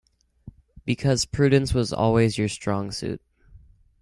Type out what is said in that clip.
Because prudence was always your strong suit.